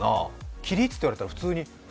「起立」って言われたら普通に。